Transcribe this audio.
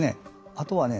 あとはね